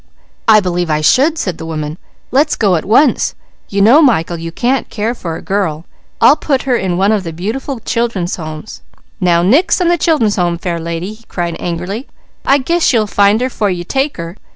"I believe I should!" said the woman. "Let's go at once. You know Michael, you can't care for a girl. I'll put her in one of the beautiful Children's Homes " "Now nix on the Children's Homes, fair lady!" he cried angrily. "I guess you'll find her, 'fore you take her!